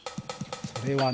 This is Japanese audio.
それはね